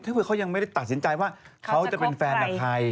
ถ้าเผื่อเขายังไม่ได้ตัดสินใจว่าเขาจะเป็นแฟนกับใคร